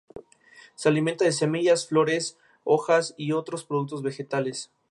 Se alimenta de semillas, flores hojas y otros productos vegetales.